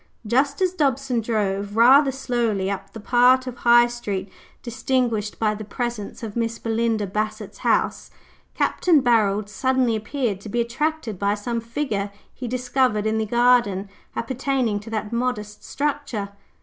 Just as Dobson drove rather slowly up the part of High Street distinguished by the presence of Miss Belinda Bassett's house, Capt. Barold suddenly appeared to be attracted by some figure he discovered in the garden appertaining to that modest structure.